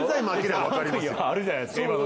悪意あるじゃないですか。